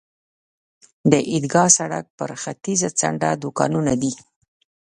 د عیدګاه سړک پر ختیځه څنډه دوکانونه دي.